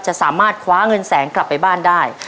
จะสามารถคว้าเงินแสนกลับไปบ้านได้